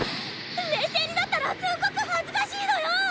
冷静になったらすんごく恥ずかしいのよぉおお！